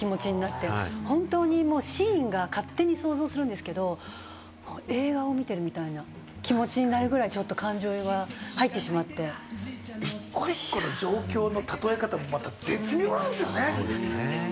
映画を観てるみたいな気持ちになって、シーンが勝手に想像するんですけれども、映画を見てるみたいな気持ちになるぐらい、ちょっと感情が入ってしまっ一個一個の状況のたとえ方も絶妙なんですよね。